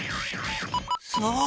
そう。